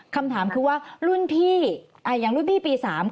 คำถามคือว่ารุ่นพี่อย่างรุ่นพี่ปี๓